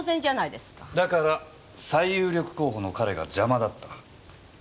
だから最有力候補の彼が邪魔だった。